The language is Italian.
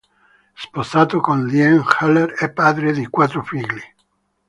Sposato con Lynne, Heller è padre di quattro figli.